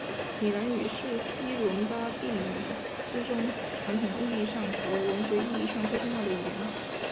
米兰语是西伦巴第语之中传统意义上和文学意义上最重要的语言。